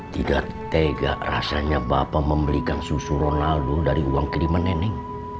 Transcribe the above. tidak tega rasanya bapak memberikan susu ronaldo dari uang kiriman nenek